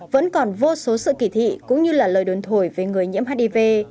vẫn còn vô số sự kỳ thị cũng như là lời đồn thổi về người nhiễm hiv